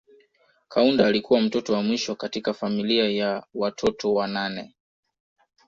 Kaunda alikuwa mtoto wa mwisho katika familia ya watoto wanane